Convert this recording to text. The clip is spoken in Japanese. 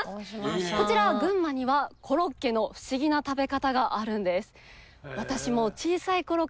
こちら群馬にはコロッケのフシギな食べ方があるんです。